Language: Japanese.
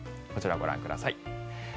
こちらをご覧ください。